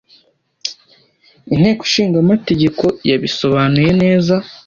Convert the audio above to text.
Inteko nshingamategeko yabisobanuye neza